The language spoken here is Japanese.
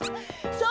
そう？